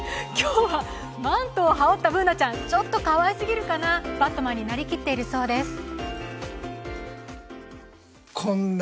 今日はマントを羽織ったＢｏｏｎａちゃん、ちょっとかわいすぎるかな、バットマンになりきっているそうです。